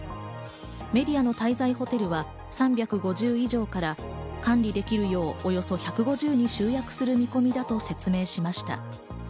メディアの滞在ホテルは３５０以上から管理できるよう、およそ１５０に集約する見込みだと説明しました。